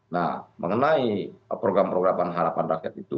nah mengenai program program harapan rakyat itu